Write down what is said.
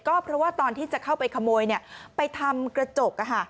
ก็เพราะว่าตอนที่จะเข้าไปขโมยเนี่ยไปทำกระจกอะค่ะ